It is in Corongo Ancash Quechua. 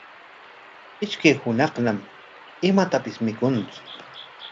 Ishkay hunaqñam imatapis mikuntsu.